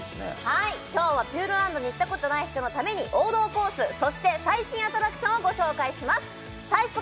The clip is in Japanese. はい今日はピューロランドに行ったことない人のために王道コースそして最新アトラクションをご紹介します最速！